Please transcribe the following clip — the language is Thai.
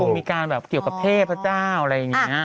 คงมีการเกี่ยวกับเพศพเจ้า